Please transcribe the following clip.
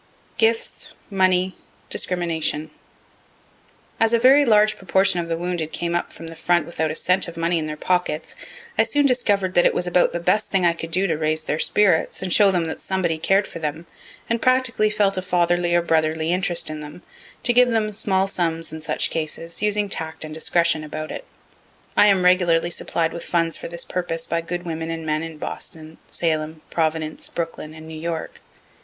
GIFTS MONEY DISCRIMINATION As a very large proportion of the wounded came up from the front without a cent of money in their pockets, I soon discover'd that it was about the best thing I could do to raise their spirits, and show them that somebody cared for them, and practically felt a fatherly or brotherly interest in them, to give them small sums in such cases, using tact and discretion about it. I am regularly supplied with funds for this purpose by good women and men in Boston, Salem, Providence, Brooklyn, and New York.